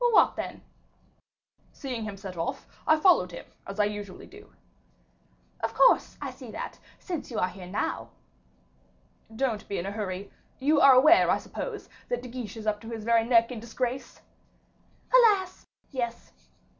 "What then?" "Seeing him set off, I followed him, as I usually do." "Of course, I see that, since you are here now." "Don't be in a hurry. You are aware, I suppose, that De Guiche is up to his very neck in disgrace?" "Alas! yes."